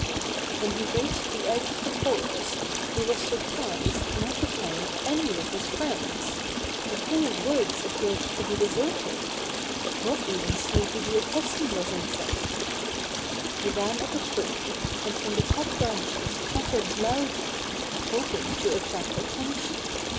When he reached the edge of the forest, he was surprised not to find any of his friends. The whole woods appeared to be deserted. Not even Sleepy the Opossum was in sight. 84 Bobby Gray Squirrel's Adventures He ran up a tree, and from the top branches chattered loudly, hoping to attract attention.